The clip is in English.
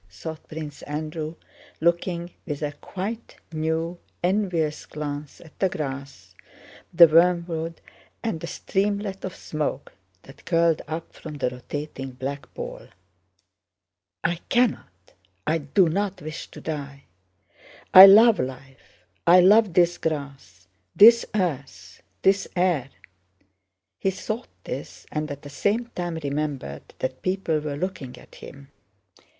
thought Prince Andrew, looking with a quite new, envious glance at the grass, the wormwood, and the streamlet of smoke that curled up from the rotating black ball. "I cannot, I do not wish to die. I love life—I love this grass, this earth, this air...." He thought this, and at the same time remembered that people were looking at him.